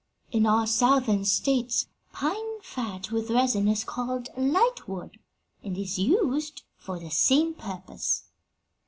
In our Southern States pine fat with resin is called lightwood, and is used for the same purpose."